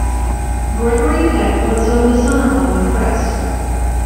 Gregory Peck once owned a summer home in Crest.